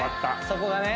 そこがね